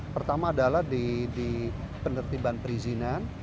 pertama adalah di penertiban perizinan